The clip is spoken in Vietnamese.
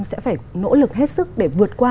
sẽ phải nỗ lực hết sức để vượt qua